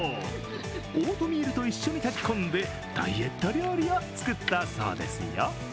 オートミールと一緒に炊き込んで、ダイエット料理を作ったそうですよ。